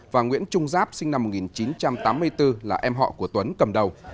và nguyễn trung giáp sinh năm một nghìn chín trăm tám mươi bốn là em họ của tuấn cầm đầu